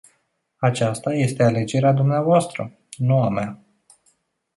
Aceasta este alegerea dumneavoastră, nu a mea.